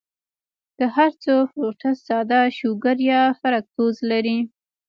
کۀ هر څو فروټس ساده شوګر يا فرکټوز لري